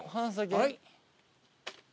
はい。